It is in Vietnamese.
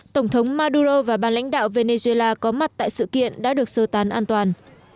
tổng thống maduro và ban lãnh đạo venezuela có mặt tại sự kiện đã được sơ tán an toàn